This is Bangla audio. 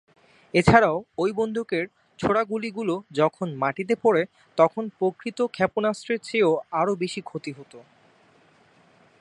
এছাড়াও, ওই বন্দুকের ছোঁড়া গুলি গুলো যখন মাটিতে পড়ে তখন প্রকৃত ক্ষেপণাস্ত্রের চেয়ে আরও বেশি ক্ষতি হত।